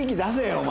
お前。